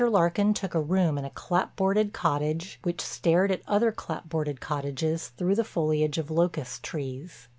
Larkin took a room in a clapboarded cottage which stared at other clapboarded cottages through the foliage of locust trees.